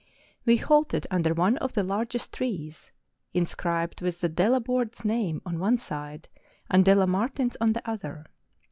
We halted under one of the largest trees, in scribed with De La Borde's name on one side, and De La Marline's on the other.